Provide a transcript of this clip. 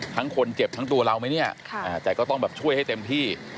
ทั้งคนเจ็บทั้งตัวเราไหมเนี่ยแต่ก็ต้องแบบช่วยให้เต็มที่